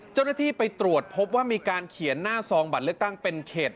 เจ้าหน้าที่ไปตรวจพบว่ามีการเขียนหน้าซองบัตรเลือกตั้งเป็นเขต